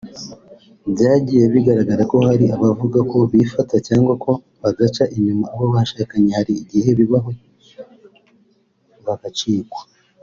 Byagiye bigaragara ko hari abavuga ko bifata cyangwa ko badaca inyuma abo bashakanye hari igihe bibabaho bagacikwa